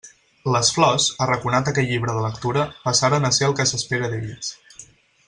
Les flors, arraconat aquell llibre de lectura, passaren a ser el que s'espera d'elles.